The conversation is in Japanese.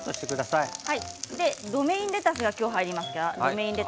ロメインレタスが入ります。